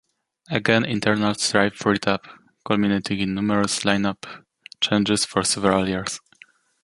Again internal strife reared up, culminating in numerous line-up changes for several years.